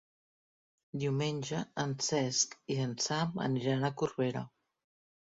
Diumenge en Cesc i en Sam aniran a Corbera.